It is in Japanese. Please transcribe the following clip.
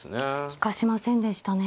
利かしませんでしたね。